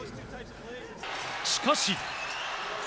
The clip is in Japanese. しかし。